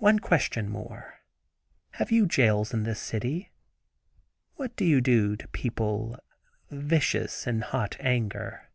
"One question more. Have you jails in this city? What do you do to people vicious in hot anger!"